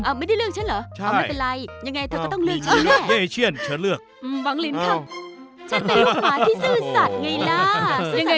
ไม่ได้เลือกฉันหรอไม่เป็นไรอย่างไรเธอก็ต้องเลือกฉันแม่